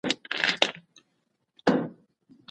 شیدا په خپلو شعرونو کې رنګین انځورونه لري.